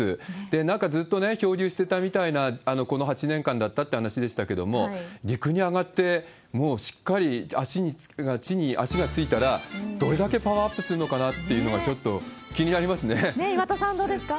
なんかずっと漂流してたみたいな、この８年間だったみたいな話でしたけれども、陸に上がって、もうしっかり地に足がついたら、どれだけパワーアップするのかなっていうのが、ちょっと気になり岩田さん、どうですか？